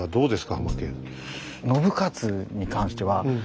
ハマケン。